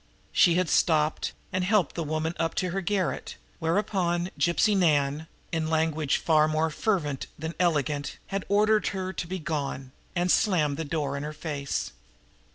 She had stopped and helped the woman upstairs to her garret, whereupon Gypsy Nan, in language far more fervent than elegant, had ordered her to begone, and had slammed the door in her face.